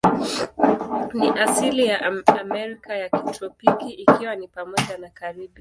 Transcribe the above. Ni asili ya Amerika ya kitropiki, ikiwa ni pamoja na Karibi.